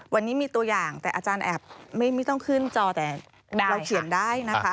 วันนี้มีตัวอย่างแต่อาจารย์แอบไม่ต้องขึ้นจอแต่เราเขียนได้นะคะ